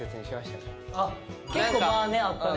結構間あったね。